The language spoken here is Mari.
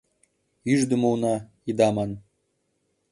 «Ӱждымӧ уна — ида ман!